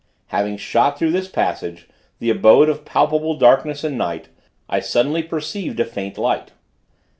Having shot through this passage, the abode of palpable darkness and night, I suddenly perceived a faint light.